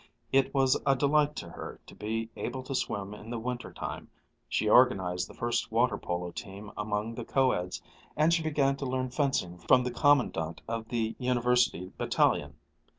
It was a delight to her to be able to swim in the winter time, she organized the first water polo team among the co eds, and she began to learn fencing from the Commandant of the University Battalion.